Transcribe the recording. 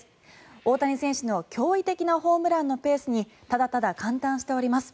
大谷選手の驚異的なホームランのペースにただただ感嘆しております。